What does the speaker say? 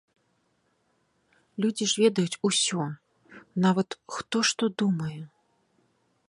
Людзі ж ведаюць усё, нават хто што думае.